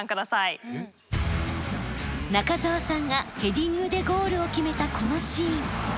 中澤さんがヘディングでゴールを決めたこのシーン。